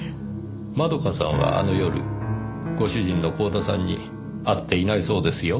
窓夏さんはあの夜ご主人の光田さんに会っていないそうですよ。